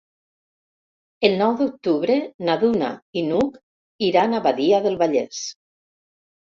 El nou d'octubre na Duna i n'Hug iran a Badia del Vallès.